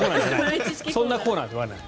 そんなコーナーではない。